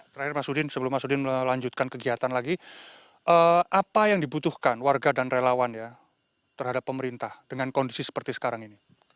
terakhir mas udin sebelum mas udin melanjutkan kegiatan lagi apa yang dibutuhkan warga dan relawan ya terhadap pemerintah dengan kondisi seperti sekarang ini